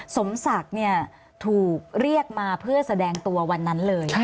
สมศักดิ์ถูกเรียกมาเพื่อแสดงตัววันนั้นเลย